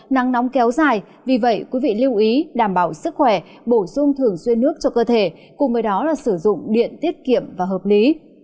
nắng nóng kéo dài vì vậy quý vị lưu ý đảm bảo sức khỏe bổ sung thường xuyên nước cho cơ thể cùng với đó là sử dụng điện tiết kiệm và hợp lý